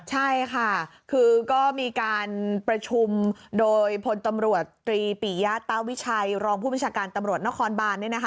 ใช่ค่ะคือก็มีการประชุมโดยพลตำรวจตรีปิยะตาวิชัยรองผู้บัญชาการตำรวจนครบาน